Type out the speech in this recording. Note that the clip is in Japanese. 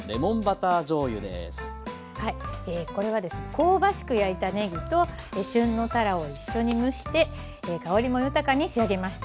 香ばしく焼いたねぎと旬のたらを一緒に蒸して香りも豊かに仕上げました。